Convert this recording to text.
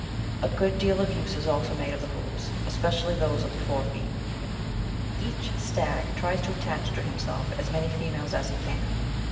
A good deal of use is also made of the hoofs, especially those of the fore feet. Each stag tries to attach to himself as many females as he can.